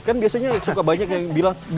kan biasanya suka banyak yang bilang